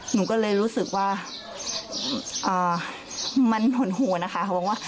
หนูก็เลยรู้สึกว่ามันห่วนหัวนะคะ